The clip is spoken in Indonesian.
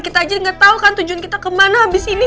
kita aja gak tau kan tujuan kita kemana habis ini